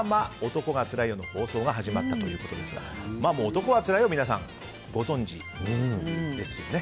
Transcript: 「男はつらいよ」の放送が始まったということですがもう「男はつらいよ」は皆さんご存知ですよね。